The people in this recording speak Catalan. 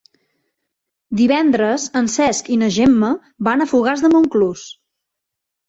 Divendres en Cesc i na Gemma van a Fogars de Montclús.